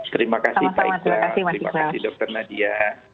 terima kasih pak ika terima kasih dokter nadia